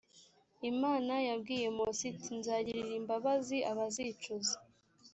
imana yabwiye mose iti “nzagirira imbabazi abazicuza”